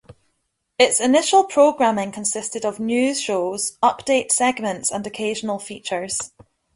Its initial programming consisted of news shows, update segments and occasional features.